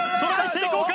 成功か！？